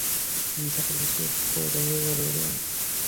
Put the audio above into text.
নিসার আলি চুপ করে রইলেন!